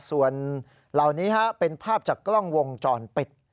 ส่วนเหล่านี้เป็นภาพจากกล้องวงจรปิด